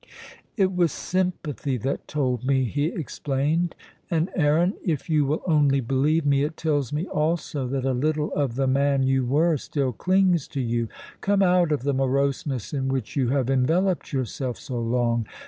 "It was sympathy that told me," he explained; "and, Aaron, if you will only believe me, it tells me also that a little of the man you were still clings to you. Come out of the moroseness in which you have enveloped yourself so long.